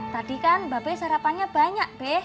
tadi kan bapaknya sarapannya banyak